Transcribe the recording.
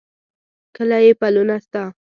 کله چې پلونه ستا،